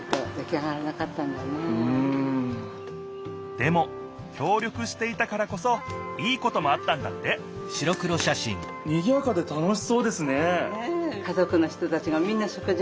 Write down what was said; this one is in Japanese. でも協力していたからこそいいこともあったんだってにぎやかで楽しそうですね！